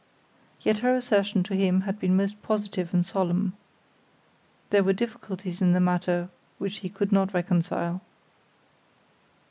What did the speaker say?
Yet her assertion to him had been most positive and solemn. There were difficulties in the matter which he could not reconcile.